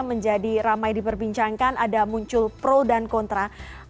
menjadi ramai diperbincangkan ada muncul pro dan kontra